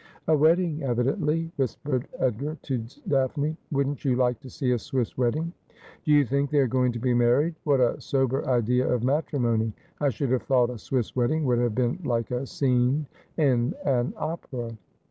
' A wedding evidently,' whispered Edgar to Daphne. ' Wouldn't you like to see a Swiss wedding ?'' Do you think they are going to be married ? What a sober idea of matrimony ! I should have thought a Swiss wedding would have been like a scene in an opera.'